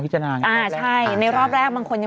ใช่ค่ะ